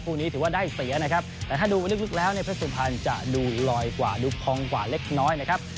นี้ถือว่าได้เสียนะครับแต่ถ้าดูลึกแล้วเนี่ยเพชรสุพรรณจะดูลอยกว่าดูพองกว่าเล็กน้อยนะครับ